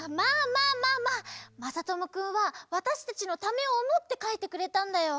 まさともくんはわたしたちのためをおもってかいてくれたんだよ。